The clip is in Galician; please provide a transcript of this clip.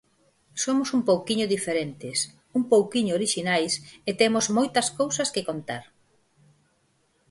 Somos un pouquiño diferentes, un pouquiño orixinais e temos moitas cousas que contar.